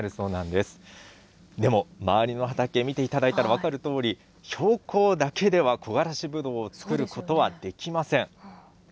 でも、周りの畑見ていただいたら分かるとおり、標高だけでは、こがらしぶどうを作ることはできません。